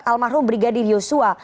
al mahrul brigadir yusua